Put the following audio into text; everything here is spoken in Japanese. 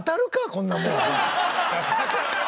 こんなもん。